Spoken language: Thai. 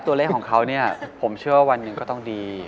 ตัวเลขของเขาเนี่ยผมเชื่อว่าวันหนึ่งก็ต้องดี